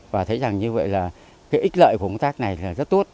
và thấy như vậy là ít lợi của công tác này rất tốt